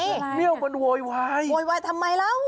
เรื่องมันโวยวายโวยวายทำไมแล้ว